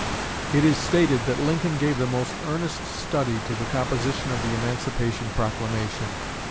It is stated that Lincoln gave the most earnest study to the composition of the Emancipation Proclamation.